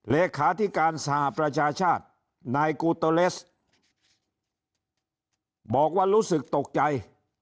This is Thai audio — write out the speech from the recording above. เลขาธิการสหประชาชาตินายกูโตเลสบอกว่ารู้สึกตกใจ